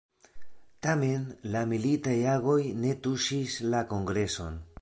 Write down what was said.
Tamen la militaj agoj ne tuŝis la kongreson.